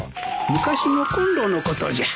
昔のコンロのことじゃ。